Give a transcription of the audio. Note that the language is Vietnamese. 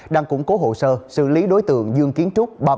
đang củng cố hồ sơ xử lý đối tượng dương kiến trúc